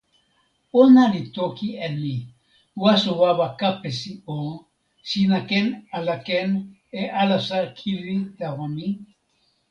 ona li toki e ni: "waso wawa Kapesi o, sina ken ala ken e alasa kili tawa mi?"